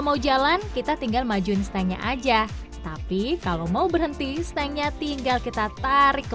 mau jalan kita tinggal majuin stengnya aja tapi kalau mau berhenti stengnya tinggal kita tarik ke